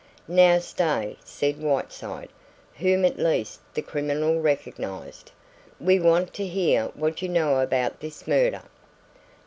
"Now, Stay," said Whiteside, whom at least the criminal recognised, "we want to hear what you know about this murder."